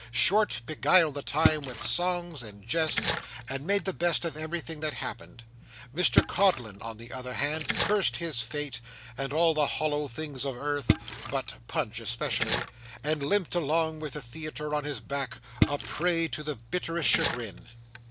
Short beguiled the time with songs and jests, and made the best of everything that happened. Mr Codlin on the other hand, cursed his fate, and all the hollow things of earth (but Punch especially), and limped along with the theatre on his back, a prey to the bitterest chagrin.